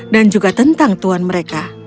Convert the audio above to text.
dan juga tentang tuhan mereka